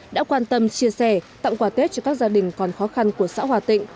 đã quan tâm chia sẻ tặng quà tết cho các gia đình còn khó khăn của xã hòa tịnh